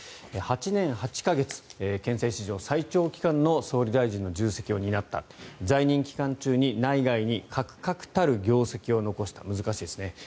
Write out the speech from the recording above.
８年８か月憲政史上最長期間の総理大臣の重責を担った在任期間中に内外にかくかくたる業績を残した難しいですね。